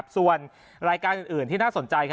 ส่วนรายการอื่นที่น่าสนใจ